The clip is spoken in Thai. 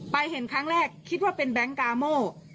เห็นครั้งแรกคิดว่าเป็นแบงค์กาโม